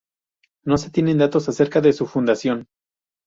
No se tienen datos acerca de su fundación.